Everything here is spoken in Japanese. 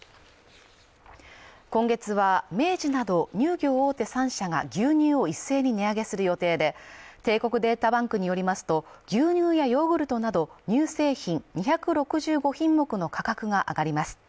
今月は明治など乳業大手３社が牛乳を一斉に値上げする予定で帝国データバンクによりますと牛乳やヨーグルトなど乳製品２６５品目の価格が上がります